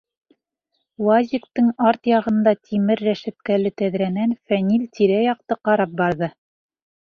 Уазиктың арт яғында тимер рәшәткәле тәҙрәнән Фәнил тирә-яҡты ҡарап барҙы.